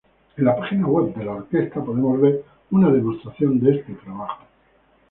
En la página web de la orquesta podemos ver una demostración de este trabajo.